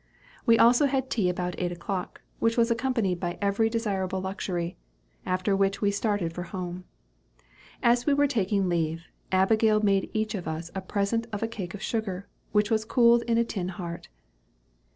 We also had tea about eight o'clock, which was accompanied by every desirable luxury after which we started for home. As we were about taking leave, Abigail made each of us a present of a cake of sugar, which was cooled in a tin heart.